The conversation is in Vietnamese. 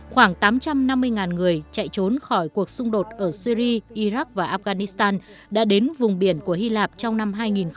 khoảng tám trăm năm mươi người chạy trốn khỏi cuộc xung đột ở syri iraq và afghanistan đã đến vùng biển của hy lạp trong năm hai nghìn một mươi chín